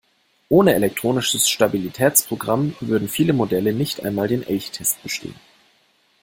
Ohne Elektronisches Stabilitätsprogramm würden viele Modelle nicht einmal den Elchtest bestehen.